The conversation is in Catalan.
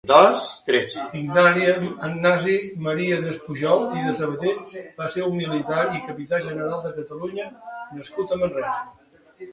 Ignasi Maria Despujol i de Sabater va ser un militar i capità general de Catalunya nascut a Manresa.